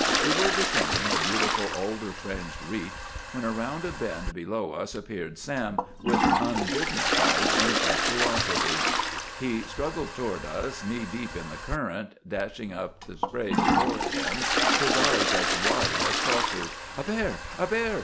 We were descending a beautiful alder fringed reach, when around a bend below us appeared Sam with undignified impetuosity. He struggled toward us knee deep in the current, dashing up the spray before him, his eyes as wide as saucers. "A bear! A bear!"